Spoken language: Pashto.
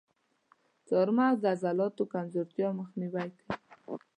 چارمغز د عضلاتو کمزورتیا مخنیوی کوي.